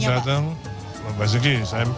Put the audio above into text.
untuk datang pak basuki